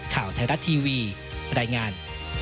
ข่าวแทรฤติวีประดังงาน